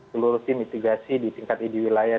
seluruh tim mitigasi di tingkat idi wilayah